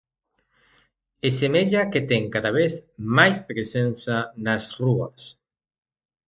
E semella que ten cada vez máis presenza nas rúas.